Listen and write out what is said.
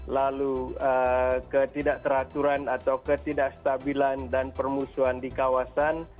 lalu ketidakteraturan atau ketidakstabilan dan permusuhan di kawasan